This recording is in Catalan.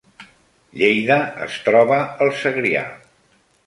Lleida es troba al Segrià